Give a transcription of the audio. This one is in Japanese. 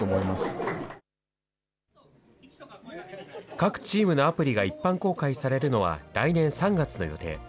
各チームのアプリが一般公開されるのは来年３月の予定。